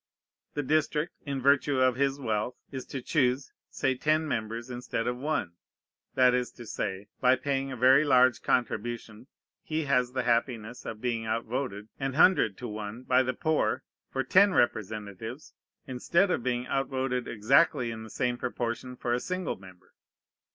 The district, in virtue of his wealth, is to choose, say ten members instead of one: that is to say, by paying a very large contribution he has the happiness of being outvoted, an hundred to one, by the poor, for ten representatives, instead of being outvoted exactly in the same proportion for a single member.